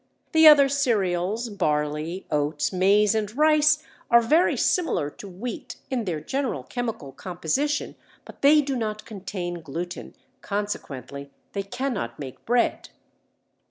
The other cereals, barley, oats, maize and rice are very similar to wheat in their general chemical composition, but they do not contain gluten. Consequently they cannot make bread.